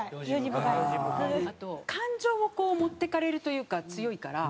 あと感情をこう持ってかれるというか強いから。